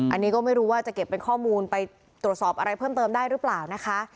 อันนี้ก็ไม่รู้ว่าจะเก็บเป็นข้อมูลไปตรวจสอบอะไรเพิ่มเติมได้หรือเปล่านะคะ